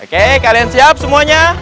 oke kalian siap semuanya